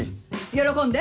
喜んで！